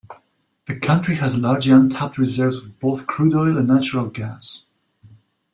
The country has largely untapped reserves of both crude oil and natural gas.